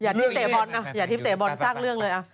หยาดทิฟต์เตะบอนสร้างเรื่องเลย